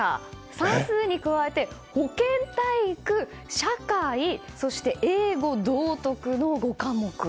算数に加えて保健体育、社会そして英語、道徳の５科目と。